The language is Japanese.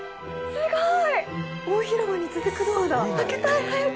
すごい！